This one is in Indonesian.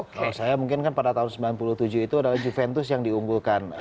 kalau saya mungkin kan pada tahun sembilan puluh tujuh itu adalah juventus yang diunggulkan